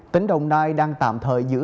tính đồng đai đang tạm thời giữ